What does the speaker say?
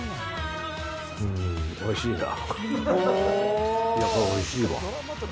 うーん、おいしいなぁ。